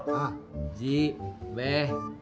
pak ji beh